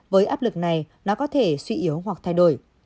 với áp lực này nó có thể suy yếu hoặc thay đổi